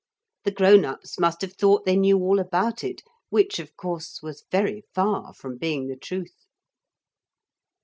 The grown ups must have thought they knew all about it, which, of course, was very far from being the truth.